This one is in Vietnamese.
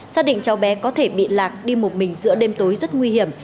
xác định cháu bé có thể bị lạc đi một mình giữa đêm tối rất nguy hiểm